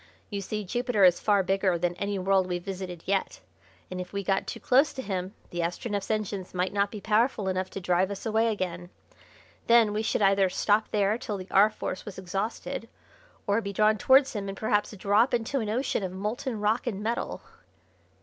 You see Jupiter is far bigger than any world we've visited yet, and if we got too close to him the Astronef's engines might not be powerful enough to drive us away again. Then we should either stop there till the R. Force was exhausted or be drawn towards him and perhaps drop into an ocean of molten rock and metal."